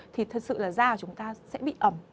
thì thật sự là da của chúng ta sẽ bị ẩm